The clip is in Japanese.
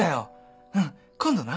うん今度な。